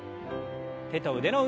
手と腕の運動から。